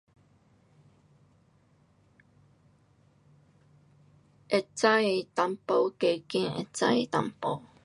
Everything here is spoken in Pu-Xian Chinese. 会知一点的跟会知一点。